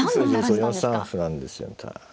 ４三歩なんですよ。